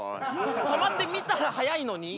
止まって見たら早いのに。